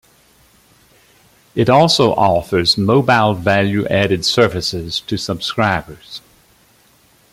It also offers Mobile Value Added Services to subscribers.